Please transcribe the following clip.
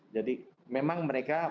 jadi memang mereka